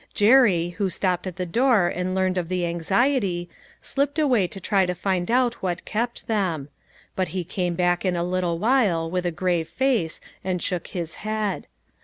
Jerry, who stopped at the door and learned of the anxiety, slipped away to try to find out what kept them ; but he came back in a little while with a grave face and shook his head.